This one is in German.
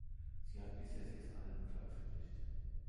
Sie hat bisher sechs Alben veröffentlicht.